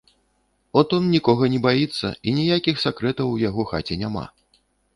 От ён нікога не баіцца, і ніякіх сакрэтаў у яго хаце няма.